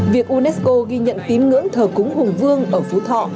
việc unesco ghi nhận tín ngưỡng thờ cúng hùng vương ở phú thọ